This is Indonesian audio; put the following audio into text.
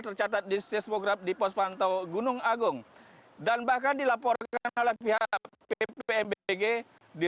tercatat di seismograf di pos pantau gunung agung dan bahkan dilaporkan oleh pihak ppmbg di